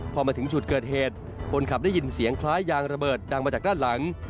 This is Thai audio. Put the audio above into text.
พอมาถึงจุดเกิดเหตุคนขับได้ยินเสียงคล้ายยางระเบิดดังมาจากด้านหลัง